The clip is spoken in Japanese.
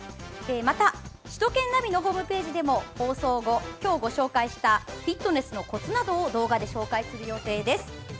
また首都圏ナビのホームページでも放送後、今日ご紹介したフィットネスのコツなどを動画で紹介する予定です。